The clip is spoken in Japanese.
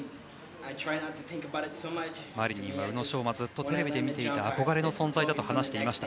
マリニンは、宇野昌磨はずっとテレビで見ていた憧れの存在だと話していました。